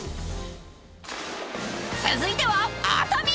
［続いては熱海］